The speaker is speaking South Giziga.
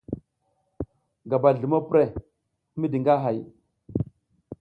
Gabal zlumo prəh, midi nga hay.